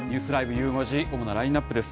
ゆう５時、主なラインナップです。